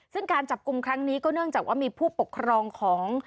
ซึ่งการจับกลุ่มครั้งนี้ก็เนื่องจากว่ามีผู้ปกครองของ